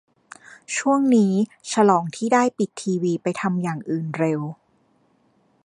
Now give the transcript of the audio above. ช่วงนี้ฉลองที่ได้ปิดทีวีไปทำอย่างอื่นเร็ว